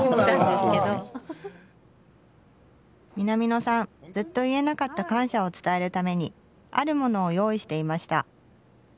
南野さんずっと言えなかった感謝を伝えるためにあるものを用意していました。